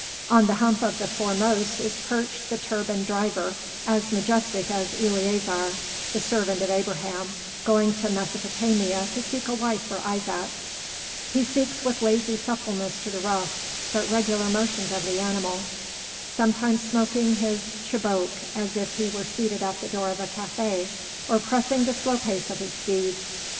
On the hump of the foremost is perched the turbaned driver, as majestic as Eleazar, the servant of Abraham, going to Mesopotamia to seek a wife for Isaac; he yields with lazy suppleness to the rough, but regular motions of the animal; sometimes smoking his chibouque as if he were seated at the door of a café, or pressing the slow pace of his steed.